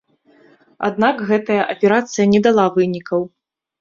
Аднак гэтая аперацыя не дала вынікаў.